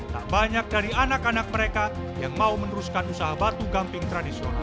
tak banyak dari anak anak mereka yang mau meneruskan usaha batu gamping tradisional